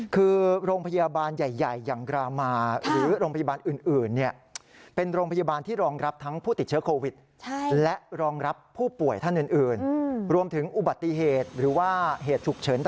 คือโรงพยาบาลใหญ่อย่างรามาหรือโรงพยาบาลอื่น